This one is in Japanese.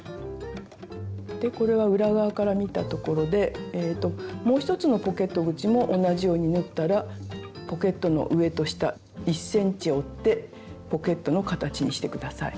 でこれは裏側から見たところでもう一つのポケット口も同じように縫ったらポケットの上と下１ｃｍ折ってポケットの形にして下さい。